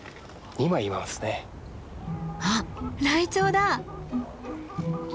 あっライチョウだ。